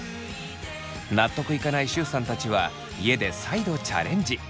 納得いかないしゅうさんたちは家で再度チャレンジ！